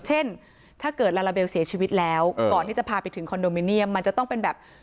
เช่นถ้าเกิดลาลาเบลเสียชีวิตแล้วก่อนที่จะพาไปถึงคอนโดมิเนียมมันจะต้องเป็นแบบ